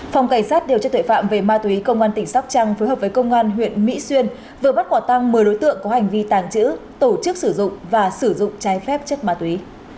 phòng cảnh sát điều tra tuệ phạm về ma túy công an tỉnh sóc trăng phối hợp với công an huyện mỹ xuyên vừa bắt quả tăng một mươi đối tượng có hành vi tàng trữ tổ chức sử dụng và sử dụng trái phép chất ma túy